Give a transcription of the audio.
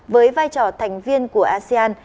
với vai trò thành viên của asean